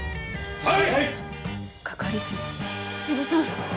はい。